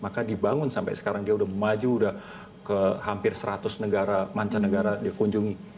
maka dibangun sampai sekarang dia sudah maju sudah ke hampir seratus negara manca negara dia kunjungi